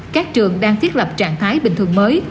các trường đang thiết lập trạng thái bình thường mới